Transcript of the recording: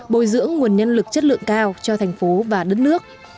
bồi dưỡng nguồn nhân lực chất lượng cao cho thành phố và đất nước